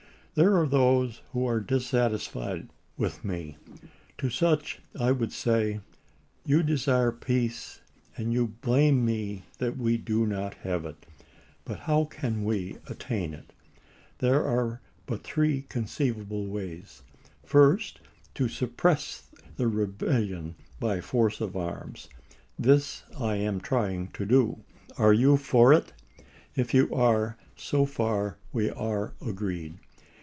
There are those who are dissatisfied with me. To such I would say : You desire peace, and you blame me that we do not have it. But how can we attain it ? There are but three conceivable ways. First, to suppress the rebel lion by force of arms. This I am trying to do. Are you for it ? If you are, so far we are agreed.